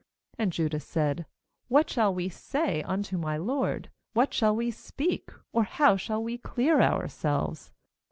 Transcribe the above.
16And Judah said: 'What shall we say unto my lord? what shall we speak? or how shall we clear our selves?